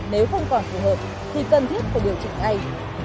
nếu không còn phù hợp thì cần thiết phải điều chỉnh ngay